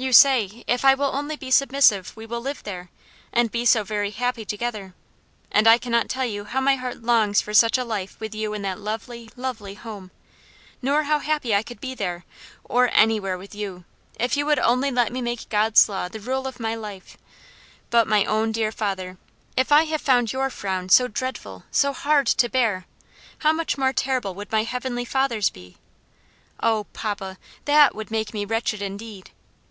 You say, if I will only be submissive we will live there, and be so very happy together, and I cannot tell you how my heart longs for such a life with you in that lovely, lovely home; nor how happy I could be there, or anywhere with you, if you would only let me make God's law the rule of my life; but, my own dear father, if I have found your frown so dreadful, so hard to bear, how much more terrible would my Heavenly Father's be! Oh, papa, that would make me wretched indeed!